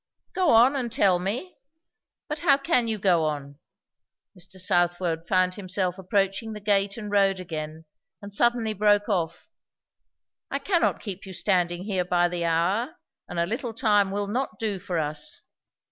"Go on, and tell me But how can you go on!" Mr. Southwode found himself approaching the gate and road again, and suddenly broke off. "I cannot keep you standing here by the hour, and a little time will not do for us.